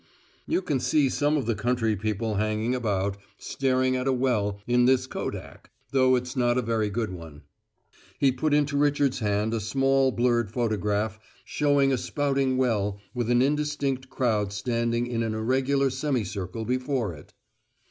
"You can see some of the country people hanging about, staring at a well, in this kodak, though it's not a very good one." He put into Richard's hand a small, blurred photograph showing a spouting well with an indistinct crowd standing in an irregular semicircle before it.